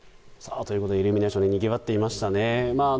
ということでイルミネーションにぎわっていましたね。